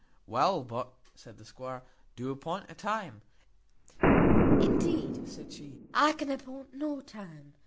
"Well, but," said the squire, "do appoint a time." "Indeed," said she, "I can appoint no time.